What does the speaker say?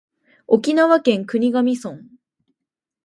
沖縄県国頭村